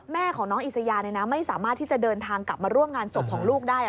แม่ของน้องอิสยาไม่สามารถที่จะเดินทางกลับมาร่วมงานศพของลูกได้